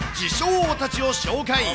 王たちを紹介。